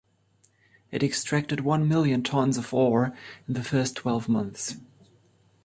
It extracted one million tonnes of ore in the first twelve months.